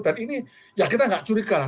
dan ini ya kita gak curiga lah